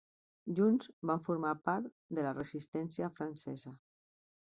Junts van formar part de la Resistència francesa.